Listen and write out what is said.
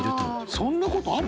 そんなことある！？